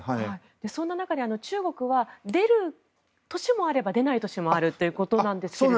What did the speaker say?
そんな中で中国は出る年もあれば出ない年もあるということなんですけれども。